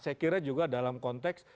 saya kira juga dalam konteks